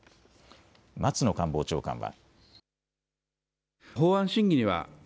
松野官房長官は。